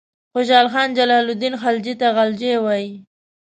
خوشحال خان جلال الدین خلجي ته غلجي وایي.